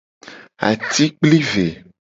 Atikplive.